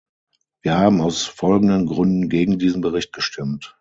Wir haben aus folgenden Gründen gegen diesen Bericht gestimmt.